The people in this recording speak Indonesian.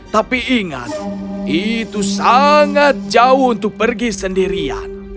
tapi ingat itu sangat jauh untuk pergi sendirian